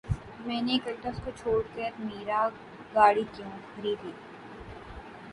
میں نے کلٹس کو چھوڑ کر میرا گاڑی کیوں خریدی